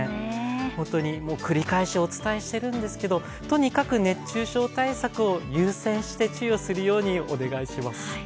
本当に繰り返しお伝えしているんですけど、とにかく熱中症対策を優先して注意をするようにお願いします。